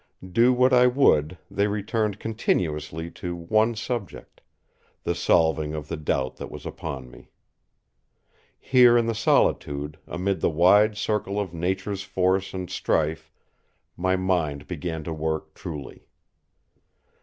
Do what I would, they returned continuously to one subject, the solving of the doubt that was upon me. Here in the solitude, amid the wide circle of Nature's force and strife, my mind began to work truly.